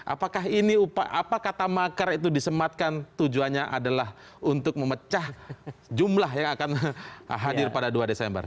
apakah ini apa kata makar itu disematkan tujuannya adalah untuk memecah jumlah yang akan hadir pada dua desember